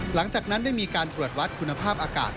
หลังจากนั้นได้มีการตรวจวัดคุณภาพอากาศ